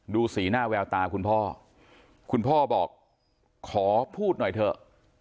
สีหน้าแววตาคุณพ่อคุณพ่อบอกขอพูดหน่อยเถอะ